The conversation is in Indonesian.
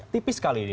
tipis sekali ini mas